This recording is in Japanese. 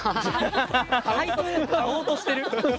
買おうとしてる？